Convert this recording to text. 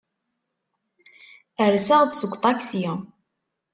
Rseɣ-d seg uṭaksi.